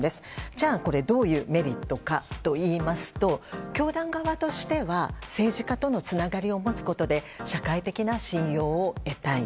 じゃあ、どういうメリットかといいますと教団側としては政治家とのつながりを持つことで社会的な信用を得たい。